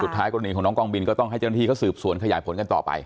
ท้ายกรณีของน้องกองบินก็ต้องให้เจ้าหน้าที่เขาสืบสวนขยายผลกันต่อไป